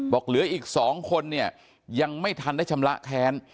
บอกเหลืออีก๒คนเนี่ยยังไม่ทันได้ชำระแค้น